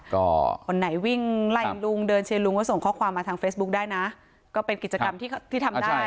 ก็คนไหนวิ่งไล่ลุงเดินเชียร์ลุงแล้วส่งข้อความมาทางเฟซบุ๊คได้นะก็เป็นกิจกรรมที่ทำได้